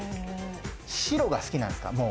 白が好きなんですか？